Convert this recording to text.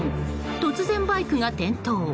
突然バイクが転倒。